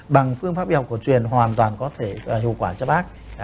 bằng phương pháp y học cổ truyền hoàn toàn có thể hiệu quả cho bác